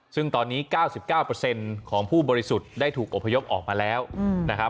ซึ่งตอนนี้๙๙ของผู้บริสุทธิ์ได้ถูกอบพยพออกมาแล้วนะครับ